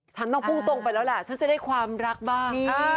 ฉันต้องพุ่งตรงไปแล้วแหละฉันจะได้ความรักบ้าง